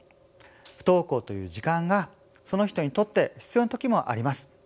不登校という時間がその人にとって必要な時もあります。